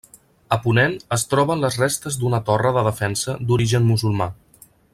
A ponent es troben les restes d'una torre de defensa d'origen musulmà.